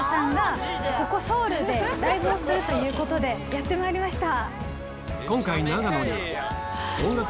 やってまいりました。